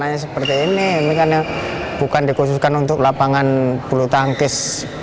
karena seperti ini ini kan bukan dikhususkan untuk lapangan bulu tangkis